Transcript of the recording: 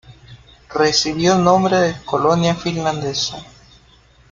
Recibió el nombre de Colonia Finlandesa.